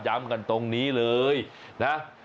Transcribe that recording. ย้ำกันตรงนี้เลยนะ